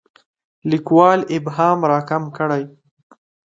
لیکوال ابهام راکم کړي.